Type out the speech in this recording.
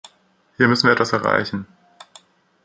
Hier müssen wir etwas erreichen.